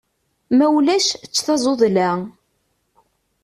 Ma ulac, ečč tazuḍla.